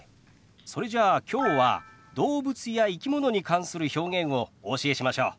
それじゃあきょうは動物や生き物に関する表現をお教えしましょう。